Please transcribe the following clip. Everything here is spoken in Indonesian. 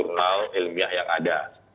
berbagai jurnal ilmiah yang ada